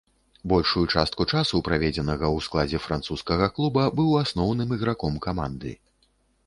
Большую частку часу, праведзенага ў складзе французскага клуба, быў асноўным іграком каманды.